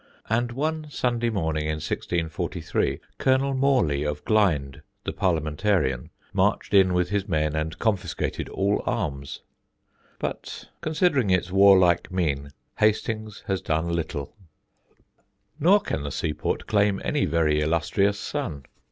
And one Sunday morning in 1643, Colonel Morley of Glynde, the Parliamentarian, marched in with his men and confiscated all arms. But considering its warlike mien, Hastings has done little. [Sidenote: THE ADMIRAL'S MOTHER] Nor can the seaport claim any very illustrious son.